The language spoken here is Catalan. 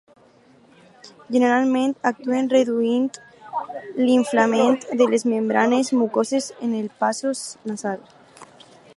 Generalment, actuen reduint l'inflament de les membranes mucoses en els passos nasals.